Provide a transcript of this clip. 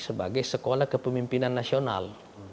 sebagai sekolah kepemimpinan nasional